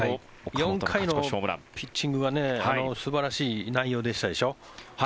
４回のピッチングは素晴らしい内容でしたでしょ。